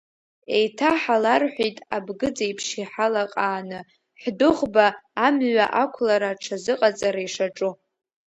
Еиҭаҳаларҳәеит абгыӡ еиԥш иҳалаҟааны, ҳдәыӷба амҩа ақәлара аҽазыҟаҵара ишаҿу.